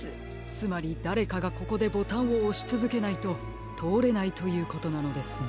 つまりだれかがここでボタンをおしつづけないととおれないということなのですね。